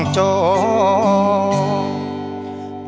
จบ